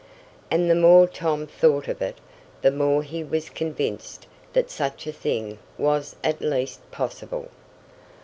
And the more Tom thought of it, the more he was convinced that such a thing was at least possible.